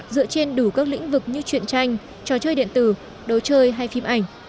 dựa trên đủ các lĩnh vực như chuyện tranh trò chơi điện tử đồ chơi hay phim ảnh